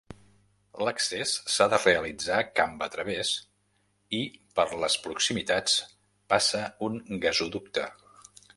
L'accés s'ha de realitzar camp a través i per les proximitats passa un gasoducte.